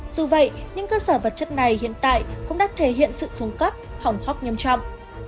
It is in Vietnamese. dù vậy những cơ sở vật chất này hiện tại cũng đã thể hiện sự xuống cấp hỏng khóc nghiêm trọng